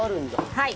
はい。